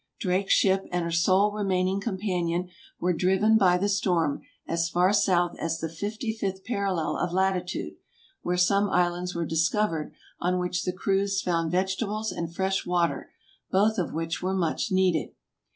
Drake's ship and her sole remaining companion were driven by the storm as far south as the fifty fifth parallel of latitude, where some islands were discovered, on which the crews found vegetables and fresh water, both of which were much needed.